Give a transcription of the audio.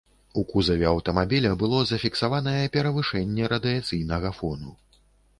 У кузаве аўтамабіля было зафіксаванае перавышэнне радыяцыйнага фону.